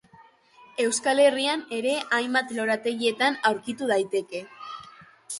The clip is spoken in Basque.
Euskal Herrian ere hainbat lorategietan aurkitu daiteke.